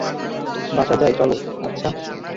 বাসা যাই চলো, আচ্ছা?